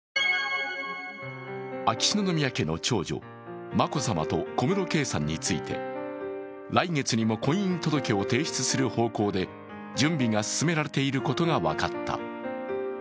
秋篠宮家の長女・眞子さまと小室圭さんについて来月にも婚姻届を提出する方向で準備が進められていることが分かった。